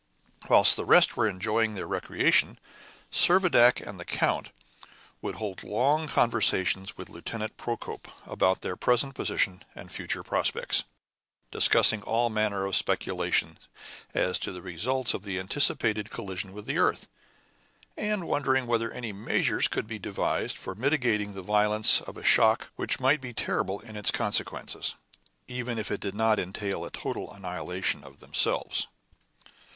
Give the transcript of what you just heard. Whilst the rest were enjoying their recreation, Servadac and the count would hold long conversations with Lieutenant Procope about their present position and future prospects, discussing all manner of speculations as to the results of the anticipated collision with the earth, and wondering whether any measures could be devised for mitigating the violence of a shock which might be terrible in its consequences, even if it did not entail a total annihilation of themselves.